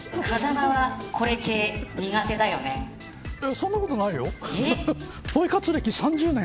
そんなことないよ。